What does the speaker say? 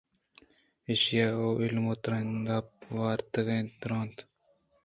ایشیءَ الّمءَ ترٛندآپ وارتگیکے ءَ درّائینت